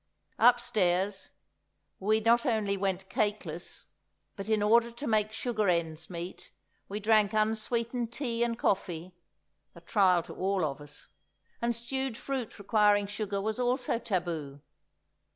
Upstairs we not only went cakeless, but in order to make sugar ends meet, we drank unsweetened tea and coffee, a trial to all of us! And stewed fruit requiring sugar was also taboo.